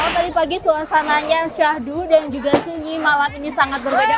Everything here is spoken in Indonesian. tadi pagi suasananya syahdu dan juga siny malam ini sangat berbeda